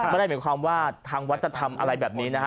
ไม่ได้หมายความว่าทางวัดจะทำอะไรแบบนี้นะฮะ